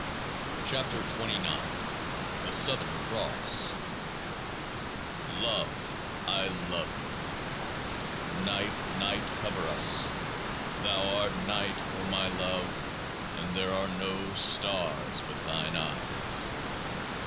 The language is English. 38 KEOAAH K0 THE SOUTHERN CROSS Love, I love you ! Night, night, cover us ! Thou art night, O my love : and there are no stars but thine eyes.